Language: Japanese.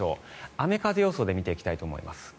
雨風予想で見ていきたいと思います。